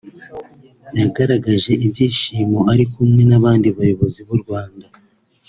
yagaragaje ibyishimo ari kumwe n’abandi bayobozi b’u Rwanda